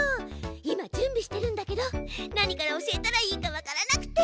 今準備してるんだけど何から教えたらいいかわからなくて。